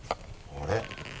あれ？